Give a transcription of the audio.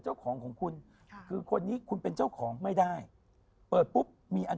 ของคุณค่ะคือคนนี้คุณเป็นเจ้าของไม่ได้เปิดปุ๊บมีอัน